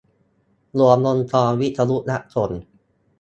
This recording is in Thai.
รวมวงจรวิทยุรับส่ง